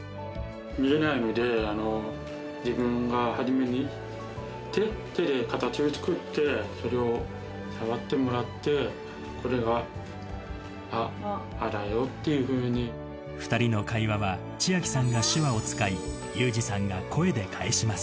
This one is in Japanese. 見えないので、自分が初めに手で形を作って、それを触ってもらって、２人の会話は、千明さんが手話を使い、裕士さんが声で返します。